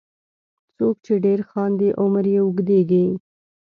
• څوک چې ډېر خاندي، عمر یې اوږدیږي.